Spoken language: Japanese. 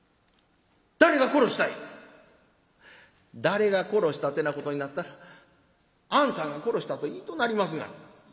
「誰が殺したってなことになったらあんさんが殺したと言いとなりますがな」。